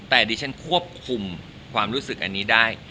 แต่ดิฉันควบคุมความรู้สึกอันนี้ได้